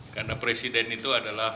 karena presiden itu adalah